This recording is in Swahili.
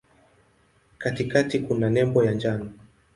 Katikati kuna nembo ya njano.